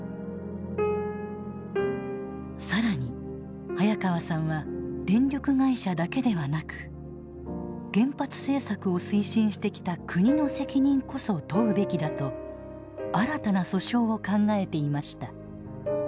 更に早川さんは電力会社だけではなく原発政策を推進してきた国の責任こそ問うべきだと新たな訴訟を考えていました。